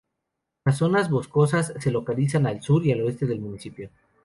Las zonas boscosas se localizan al sur y al oeste del municipio.